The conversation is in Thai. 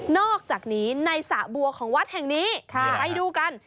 อกจากนี้ในสระบัวของวัดแห่งนี้ไปดูกัน